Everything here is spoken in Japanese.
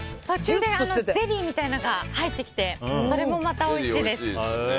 ゼリーみたいなのが入ってきてそれもまたおいしいです。